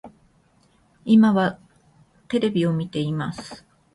私は今テレビを見ています